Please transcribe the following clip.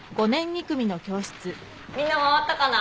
みんな回ったかな？